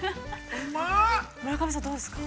◆村上さん、どうですか。